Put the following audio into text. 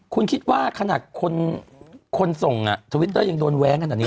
คุณคิดว่าขนาดคนส่งทวิตเตอร์ยังโดนแว้งขนาดนี้